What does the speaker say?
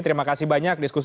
terima kasih banyak